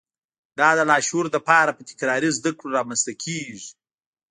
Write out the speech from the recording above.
دا د لاشعور لپاره په تکراري زده کړو رامنځته کېږي